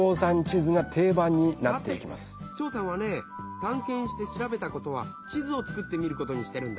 たんけんしてしらべたことは地図を作ってみることにしてるんだ。